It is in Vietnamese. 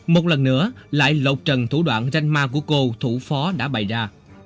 một lần nữa lại lột trần thủ đoạn ranh ma của cô thủ phó đã bày ra